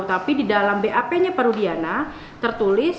tapi di dalam bap nya pak rudiana tertulis